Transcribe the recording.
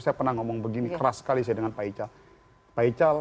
saya pernah ngomong begini keras sekali saya dengan pak ical